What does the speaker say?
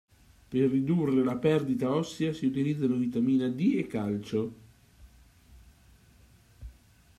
Per ridurre la perdita ossea si utilizzano vitamina D e calcio.